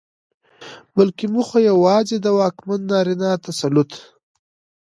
بلکې موخه يواځې د واکمن نارينه تسلط